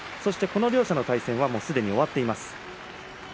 この両者の対戦はすでに終わっています。